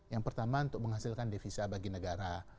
yang pertama untuk menghasilkan devisa bagi negara